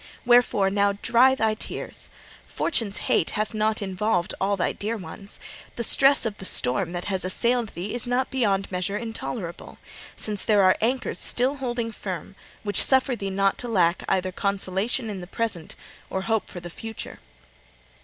Wherefore, now dry thy tears. Fortune's hate hath not involved all thy dear ones; the stress of the storm that has assailed thee is not beyond measure intolerable, since there are anchors still holding firm which suffer thee not to lack either consolation in the present or hope for the future.'